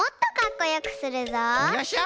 よっしゃ！